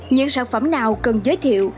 những sản phẩm nào cần giới thiệu